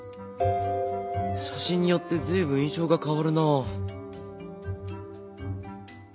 写真によって随分印象が変わるなあ。